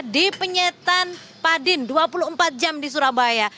di penyetan padin dua puluh empat jam di surabaya